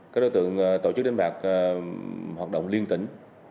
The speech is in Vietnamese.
các đối tượng tổ chức đánh bạc hoạt động liên tỉnh